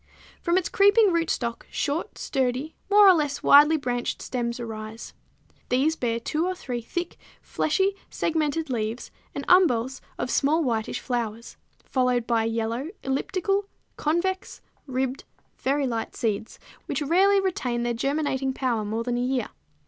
From its creeping rootstocks short, sturdy, more or less widely branched stems arise. These bear two or three thick, fleshy segmented leaves and umbels of small whitish flowers, followed by yellow, elliptical, convex, ribbed, very light seeds, which rarely retain their germinating power more than a year.